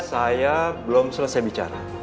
saya belum selesai bicara